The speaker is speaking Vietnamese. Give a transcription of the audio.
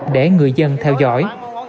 để người dân theo dõi